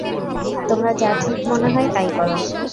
তোমার যা ঠিক মনে হয় তাই করো।